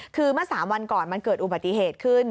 คือเมื่อ๓วันก่อนมันเกิดอุบัติเหตุขึ้น